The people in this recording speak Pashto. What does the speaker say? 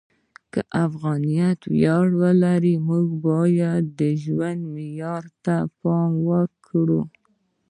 که افغانیت ویاړ لري، موږ باید د ژوند معیار ته پام وکړو.